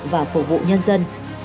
và phục vụ nhân dân